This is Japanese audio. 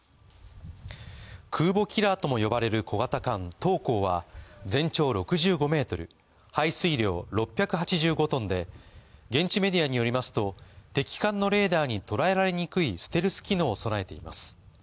空母キラーとも呼ばれる小型艦「塔江」は全長６５ｍ、排水量６８５ｔで現地メディアによりますと、敵艦のレーダーに捉えられにくいステルス機能を備えています。